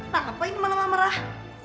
kenapa ini malam malam merah